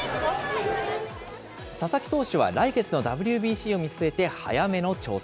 佐々木投手は、来月のＷＢＣを見据えて早めの調整。